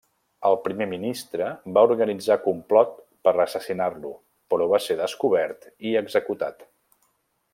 El primer ministre va organitzar complot per assassinar-lo, però va ser descobert i executat.